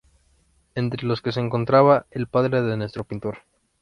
Entre los que se encontraba el padre de nuestro pintor.